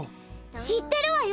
知ってるわよ。